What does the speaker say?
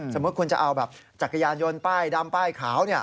สมมุติคุณจะเอาแบบจักรยานยนต์ป้ายดำป้ายขาว